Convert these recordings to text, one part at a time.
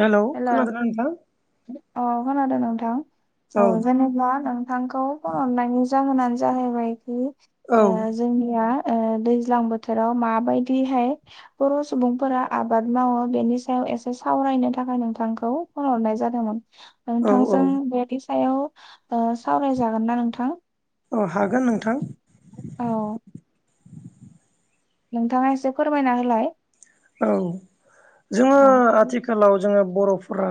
हेल' खोनादोंना नोंथां औ खोनादों नोंथां औ जेनेबा नोंथांखौ फन हरनायनि जाहोनानो जाहैबायखि औ जोंनिया दैज्लां बोथोराव माबायदिहाय बर' सुबुंफोरा आबाद मावो बेनि सायाव सावरायनो थाखाय नोंथांखौ फन हरनाय जादोंमोन औ औ नोंथांजों बेनि सायाव सावरायजागोन ना नोंथां औ हागोन नोंथां औ नोंथाङा एसे फोरमायना होलाय औ जोङो औ आथिखालाव जोङो बर'फोरा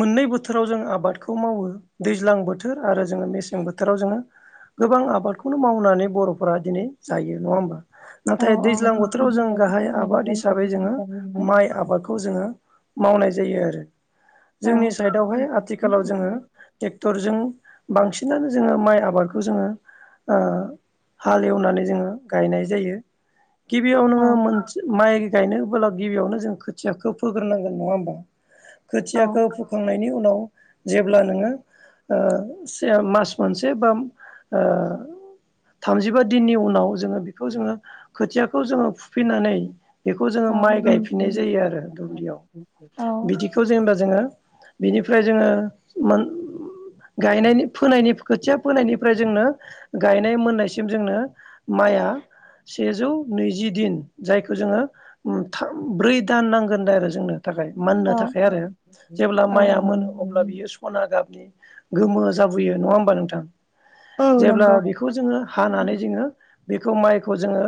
मोननै बोथ थोराव जों आबादखौ मावो दैज्लां बोथोर आरो जोङो मेसें बोथोराव जोङो गोबां आबादखौनो मावनानै बर'फोरा दिनै जायो नङा होमबा? औ नाथाय दैज्लां बोथोराव जों गाहाय आबाद हिसाबै जोङो माइ आबादखौ जोङो मावनाय जायो आरो। जोंनि औ साइडआवहाय आथिखालाव जोङो ट्रेक्टरजों बांसिनानो जोङो माइ आबादखौ जोङो ओ हाल एवनानै जोङो गायनाय जायो। गिबियाव नोङो औ मोनसे माइ गायनोबोला गिबियावनो जों खोथियाखौ फोग्रोनांगोन नङा होमबा? औ खोथियाखौ फोखांनायनि उनाव जेब्ला नोङो ओ से मास मोनसे बा थामजिबा दिननि उनाव जोङो बेखौ जोङो खोथियाखौ जोङो फुफैनानै बेखौ औ जोङो माइ गायफिननाय जायो आरो दुब्लियाव। औ बिदिखौ जेनेबा जोङो बिनिफ्राय जोङो मोन गायनायनि फोनायनि खोथिया फोनायनिफ्राय जोंनो गायनाय मोननायसिम जोंनो माइआ सेजौ नैजि दिन जायखौ जोङो ब्रै दान नांगोन दा आरो जोंनो। औ मोननो थाखाय आरो जेब्ला औ माइआ मोनो अब्ला बियो सना गाब गोमो जाबोयो नङा होमबा नोंथां? औ जेब्ला नंगौ बेखौ जोङो औ हानानै जोङो बेखौ माइखौ जोङो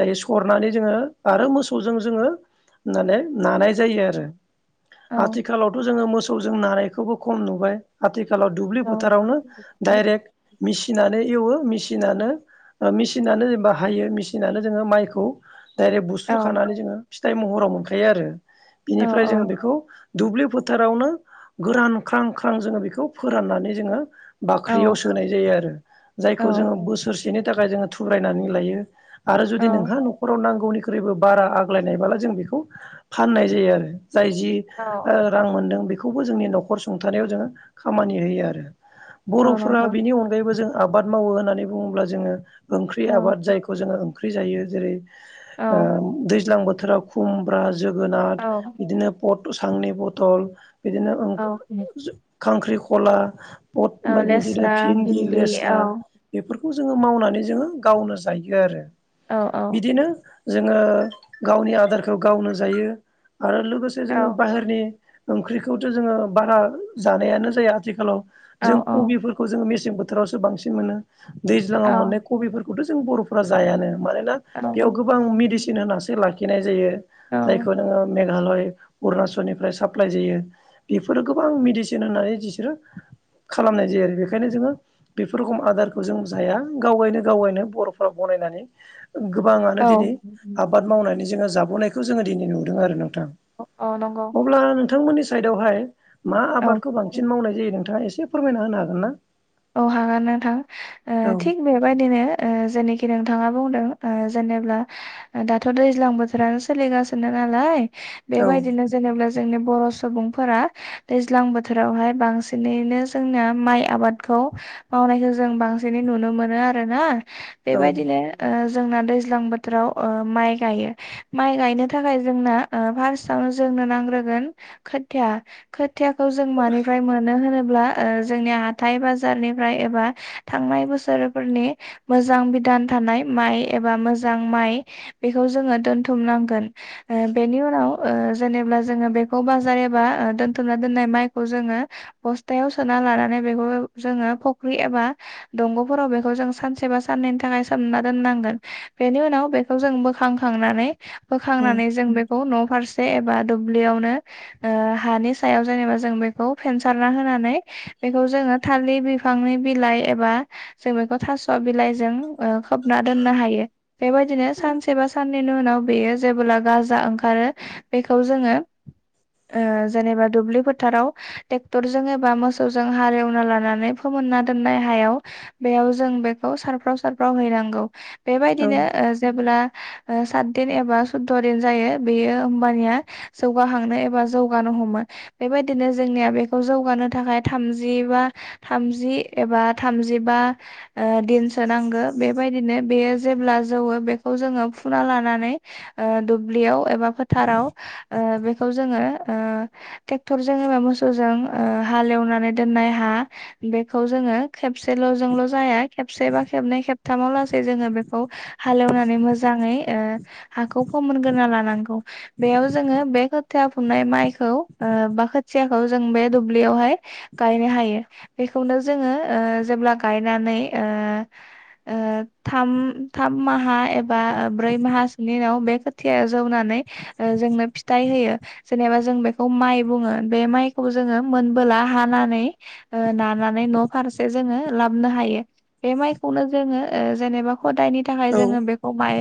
दायो सरनानै जोङो आरो मोसौजों जोङो माने नानाय जायो आरो। आथिखालावथ' जोङो मोसौजों नानायखौबो खम नुबाय आथिख खालाव दुब्लि औ फोथारावनो डाइरेक्ट मेसिननानै एवो मेसिनानो मेसिनानो जेनेबा हायो मेसिनानो जोङो माइखौ डाइरेक्ट बुस्रु खानानै जोङो फिथाइ महराव मोनखायो आरो औ बिनिफ्राय जोङो बेखौ दुब्लि फोथारावनो गोरान ख्रां ख्रां जोङो बेखौ फोराननानै जोङो बाख्रियाव औ सोनाय जायो आरो औ जायखौ जोङो बोसोरसेनि थाखाय जोङो थुब्रायनानै लायो। आरो जुदि नोंहा न'खराव नांगौनिख्रुइबो बारा आग्लायनायबला जों बेखौ फाननाय जायो आरो। जाय जि औ रां मोन्दों बेखौबो जोंनि न'खर सुंथानायाव जोङो खामानि होयो आरो। औ बर'फोरा नंगौ बिनि अनगायैबो जों आबाद मावो होननानै बुङोब्ला जोङो ओंख्रि औ आबाद जायखौ जोङो ओंख्रि जायो जेरै औ ओ दैज्लां बोथोराव खुमब्रा जोगोनार औ बिदिनो पट सांनि बथल बिदिनो ओं औ खांख्रिखला पद औ ओमफ्राय बिदिनो लेस्रा भिन्दि औ लेस्रा बेफोर खौ जोङो मावनानै जोङो गावनो जायो आरो औ औ बिदिनो जोङो गावनि आदारखौ गावनो जायो आरो लोगोसे औ जोङो बाहेरनि ओंख्रिखौथ' जोङो बारा जानायानो जाया आथिखालाव औ जों औ कबिफोरखौ जों निस बोथोरावसो बांसिन मोनो औ दैज्लाङाव मोननाय कबिफोरखौथ' जों बर'फोरा जायानो। मानोना औ बेयाव गोबां मेडिसिन होनसो लाखिनाय जायो जायखौ नोङो मेघालय अरुणाचलनिफ्राय साप्लाइ जायो बेफोरो गोबां मेडिसिन होननानै बिसोरो खालामनाय जायो आरो बेखायनो जोङो बेफोर रोखोम आदारखौ जों जाया गावगायनो गावगायनो बर'फोरा बायनानै गोबां दिनै आबाद मावनानै जोङो जाबोनायखौ जोङो दिनै नुदों आरो नो थां औ नंगौ अब्ला नोंथांमोननि साइदआवहाय मा आबादखौ औ बांसिन मावनाय जायो नोंथाङा एसे फोरमायना होनो हागोन ना? औ हागोन नोंथां ओ औ थिग बेबायदिनो ओ जोंनिखि नों नोंथाङा बुंदों ओ जेनेबा दाथ' दैज्लां बोथोरानो सोलिगासिनो नालाय औ बेबायदिनो जेनेबा जोंनि बर' सुबुंफोरा दैज्लां बोथोरावहाय बांसिनैनो जोंना माइ आबाद खौ मावनायखौ जों बांसिनै नुनो मोनो आरोना औ बेबायदिनो। जोंना दैज्लां बोथोराव माइ गायो माइ गायनो थाखाय जोंना फारस्ट जों नांग्रोगोन खोथिया। खोथियाखौ जों मानिफ्राय मोनो होनोब्ला जोंनि हाथाइ बाजारनिफ्राय एबा थांनाय बोसोरफोरनि मोजां बिदान थानाय माइ एबा। मोजां माइ बिखौ जों दोनथुनांगोन बिनि उनाव जे [inaudible] बेखौ जोङो फख्रि एबा दंग'फोराव बेखौ जों सानसे बा साननैनि थाखाय सोमना दोननांगौ। बेनि उनाव बेखौ जों उम बोखांनानै जों बे न' फारसे एबा दुब्लियावनो हानि सायाव जेनेबा जों बेखौ फेनसारना होनां नानै बेखौ जोङो थालिर बिफांनि बिलाइ एबा जों बेखौ थास' बिलाइजों ओ खोबना दोननो हायो बेबायदिनो सानसेबा सान नै नि उनाव बेयो जेबोला गाजा ओंखारो बेखौ जोङो ओ जेनेबा दुब्लि फोथाराव ट्रेक्टरजों एबा मोसौ जों हाल एवना लानानै फोमोनना दोननाय हायाव बेयाव जों बेखौ सारफ्राव सारफ्राव हैना गौ औ बेबायदिनो जेबोला ओ सातदिन एबा सुदद' दिन जायो बेयो होमबानिया जौगाहांनो एबा जौगानो हमो बेबायदिनो जोंनिया बेखौ जौगानो थाखाय थामजिबा थामजि एबा थामजिबा ओ दिनसो नांगो बेबाय बिदिनो बेयो जेब्ला जौवो बेखौ जोङो फुना लानानै ओ दुब्लियाव एबा फोथाराव ओ बे खौ जोङो ओ ट्रेक्टरजों एबा मोसौजों ओ हालेवना नै दोननाय हा बेखौ जोङो खेबसेल'जोंल जाया खेबसे बा खेबनै खेबथामाव ला जोङो बेखौ हालेवनानै मोजाङै ओ हाखौ फोमोनग्रोना लानांगौ बेयाव जोङो बे खोथि फुननाय माइखौ ओ बा खोथियाखौ जों बे दुब्लियावहाय गायनो हायो बेखौनो जोङो ओ जेब्ला गायनानै ओ ओ थाम थाम माहा एबा ब्रै माहासोनि उनाव बे खोथिया जौना नै जोंनो फिथाय होयो जेनेबा जों बिखौ माइ बुङो बे माइखौ जों मोनबोल ला हाना नै नानानै न' फारसे जोङो लाबनो हायो बे माइखौनो जोङो ओ जेनेबा हदायनि थाखाय जोङो बेखौ माइ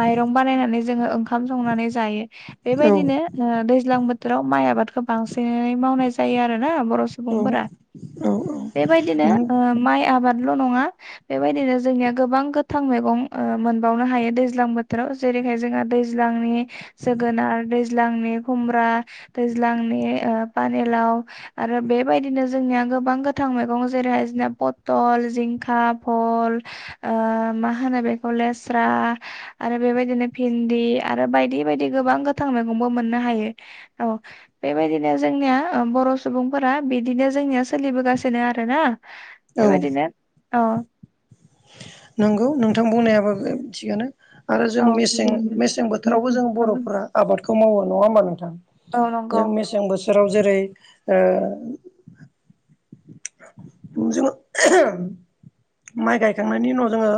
माइरं बानायनानै जोङो ओंखाम संनानै जायो औ बेबायदिनो ओ दैज्लां बोथोराव माइ आबादखौ बांसिनै मावनाय जायो आरोना बर' सुबुंफोरा औ औ बेबायदिनो नों ओ माइ आबाद ल' नङा बेबायदिनो जोंनिया गोबां गोथां मैगं मोनबावनो हायो दैज्लां बोथोराव जेरै [unintelligible] दैज्लांनि जोगोनार दैज्लांनि खुमब्रा दैज्लांनि ओ पानि लाव आरो बे बेबायदिनो जोंनिया गोबां गोथां मैगं जेरैहाय जोंनिया पथल, जिंखा, फल मा होनो बेखौ लेस्रा आरो बेबायदिनो पिन्दि आरो बायदि बायदि गोब गोबां गोथां मैगंबो मोननो हायो औ बेबायदिनो जोंनिया बर' सुबुंफोरा बिदिनो जोंनिया सोलिबोगासिनो आरोना औ बेबायदिनो औ नंगौ नोंथां बुंनायाबो थिगआनो आरो जों औ मेसें मेसें बोथोरावबो जों बर'फोरा आबादखौ मावो नङा होमबा नोंथां औ नंगौ जों मेसें बोथोराव जेरै ओ जोङो माइ गायखांनायनि उनाव जोङो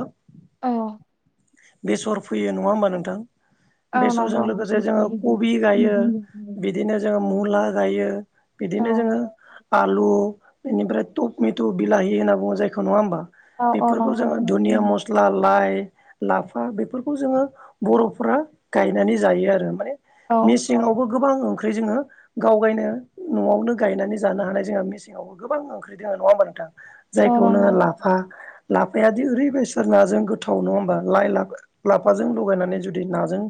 औ बेसर फैयो नङा होमबा नोंथां औ बेसरजों नंगौ लोगोसे जोङो कबि गायो औ बिदिनो जोङो मुला गायो बिदिनो जोङो आलु बेनिफ्राय टपमेट' बिलाहि होनना बुङो जायखौ नङा होमबा औ औ बेफोरखौ नंगौ जोङो दुनिया मस्ला लाइ लाफा बेफोरखौ जोङो बर'फ्रा गायनानै जायो आरो माने औ मेसेंआवबो गोबां ओंख्रि जोङो गावगायनो न'आवनो गायनानै जानो हानाय जोंहा मेसेंआवबो गोबां ओंख्रि दोङ नङा होमबा नोंथां औ जायखौ नो नंगौ लाफा लाफायादि ओरै बेससोर नाजों गोथाव नङा होमबा? लाइ लाबो लाफाजों लगायनानै जुदि नाजों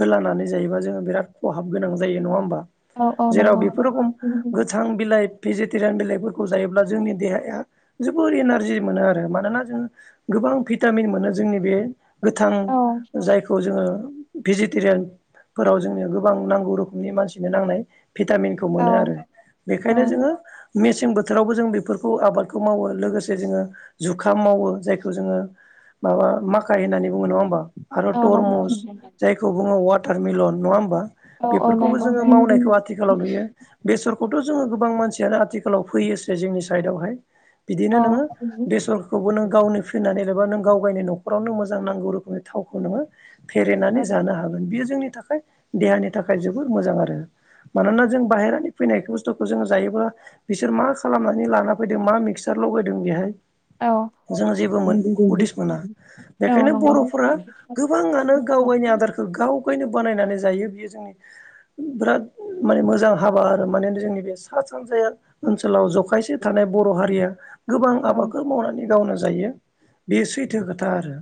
होलानानै जायोबा जोङो बिराद खहाब गोनां जाय यो नङा होमबा औ औ जेराव नंगौ बेफोरो खम गोथां बिलाइ भेजिटेरियान बिलाइफोरखौ जायोब्ला जोंनि देहाया जोबोर एनारजि मोनो आरो मानोना जोंयो गोब बां भिटामिन मोनो जोंनि बे गोथां औ जायखौ जोङो भेजिटेरियान फोराव जोंनिया गोबां नांगौ रोखोमनि मानसिनो नांनाय भिटामिनखौ औ मोनो आरो। औ बेखायनो जोङो मेसें बोथोरावबो जों बेफोरखौ आबादखौ मावो। लोगोसे जोङो जुखाम मावो जायखौ जोङो माबा माख खाय होननानै बुङो नङा होमबा? आरो औ नंगौ थरमुस जायखौ बुङो अवाटारमेलन नङा होमबा? औ औ बेफोरखौबो नंगौ जोङो मावनायखौ आथिखालाव नुयो। बेसरखौथ' जोङो गोबां मानसियानो आथिखालाव फैयोसो जोंनि सायदावहाय। बिदिनो नोङो औ औ देसरखौबो नों गावनो फिनानै एबा नों गाव गायनो न' खरावनो मोजां नांगौ रोखोमनि थावखौ नोङो फेरेदनानै जानो हागोन। बियो जोंनि थाखाय देहानि थाखाय जोबोर मोजां आरो। मानोना जों बाहेरानि फैनाय बुस्थुखौ जो जायोबा बिसोर मा खालामनानै लाना फैदों मा मिक्सार लगायदों बेहाय जों जेबो मोन उदिस मोना। औ बेखायनो बर'फोरा नंगौ गोबाङानो गाव गायनि आदारखौ गाव गायनो बानायनानै जायो बियो जों बिराद माने मोजां हाबा आरो माने जोंनि बे सा सानजाया ओनसोलाव ज' जखायसे थानाय बर' हारिया गोबां औ आबादखौ मावनानै गावनो जायो। बेयो सैथो खोथा आरो।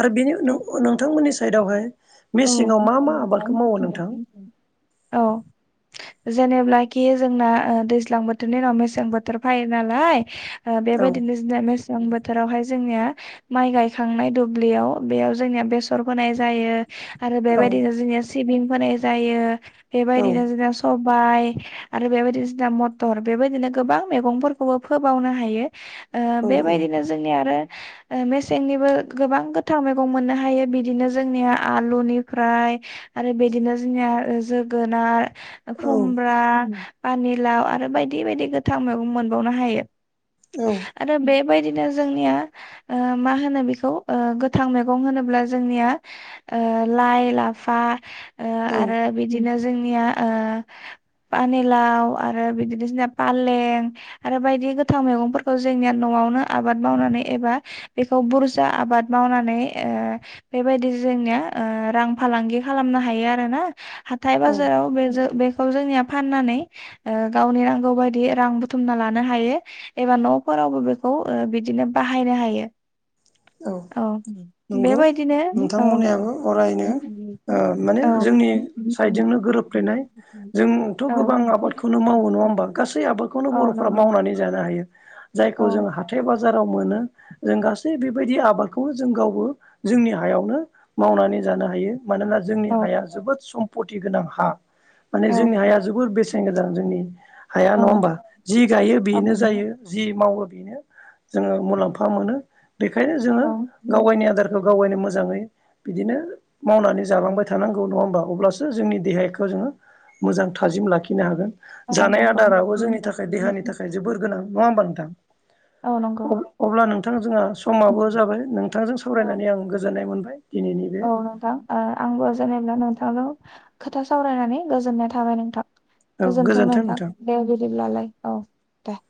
आरो बेनि औ नो नोंथांमोननि सायदावहाय औ मेसेङाव मा मा आबादखौ मावो नोंथां? औ जेनेब्लाखि जोंना ओ दैज्लां बोथोरनि उनाव मेसें बोथोर फायो नालाय। ओ औ बेबायदिनो जिना मेसें बोथोरावहाय जोंनिया माइ गायखांनाय दुब्लियाव बेयाव जोंनिया बेसर फोनाय जायो। आरो औ बेबायदिनो जोंनिया सिबिं फोनाय जायो। औ बेबायदिनो जोंना सब बाय आरो बेबायदि जोना मथर बेबायदिनो गोबां मैगंफोरखौबो फोबावनो हायो। ओ औ बे बायदिनो जोंनि आरो ओ मेसेंनिबो गोबां गोथां मैगं मोननो हायो‌। बिदिनो जोंनिया आलुनिफ्राय आरो बिदिनो जोंनिया जोगोनार औ खुमब्रा पानिलाव आरो बायदि बायदि गोथां मैगं मोनबावनो हायो। आरो बे बायदिनो जोंनिया ओ मा होनो बेखौ ओ गोथां मैगं होनोब्ला जोंनिया ओ लाय, लाफा ओ औ आरो बिदिनो जोंनिया ओ पानिलाव आरो बिदिनो जोंना फालें आरो बायदि गोथां मैगंफोरखौ जोंनिया न' आवनो आबाद मावनानै एबा बेखौ बुरजा आबाद मावनानै ए बेबायदि जोंनिया ओ रां फालांगि खालामनो हायो आरोना। हाथाय औ बाजाराव बे जो बे खौ जोंनिया फाननानै ओ गावनि नांगौ बायदि रां बुथुमना लानो हायो एबा न'फो रावबो बेखौ ओ बिदिनो बाहायनो हायो। औ बेबायदिनो औ फरायनो ओ माने औ जोंनि सायदजोंनो गोरोबफ्लेनाय। जोंथ' औ गोबां आबादखौनो मावो नङा होमबा? गासै आबादखौनो औ बर'फ्रा नंगौ मावनानै जानो हायो। औ जायखौ जों हाथाय बाजाराव मोनो जों गासै बिब बायदि आबादखौ जों गावबो जोंनि हायावनो मावनानै जानो हायो। मानोना जोंनि औ हाया जोबोद सम्पति गोनां हा, माने औ जोंनि हाया जबोर बेस सेन गोजा जोंनि हाया औ नङा होमबा? जि गायो बेनो जायो जि मावो बेनो जोङो मुलाम्फा मोनो बेखायनो जोङो औ गाव गायनि आदारखो गाव गायनो मोजाङै बिदिनो मावनानै जालांबाय थानांगौ नङा होमबा? अब्लासो जोंनि देहायखो जोङो मोजां थाजिम लाखिनो हागोन। औ जानाय नंगौ आदाराबो जोंनि थाखाय देहानि थाखाय जोबोर गोनां नङा होमबा नों थां औ नंगौ अब-अब्ला नोंथां जोंहा समाबो जाबाय नोंथांजों औ सावरायनानै आं गोजोन नाय मोनबाय। दिनैनि बे औ नोंथां ओ आंबो जेनेब्ला नोंथा थां जों खोथा सावरायनानै गोजोननाय थाबाय नोंथां। औ गोजोनथों गोजोन्थों नोंथां दे बिदिब्लालाय औ दे।